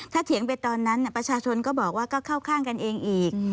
ถ้าเถียงไปตอนนั้นประชาชนก็บอกว่าก็เข้าข้างกันเองอีก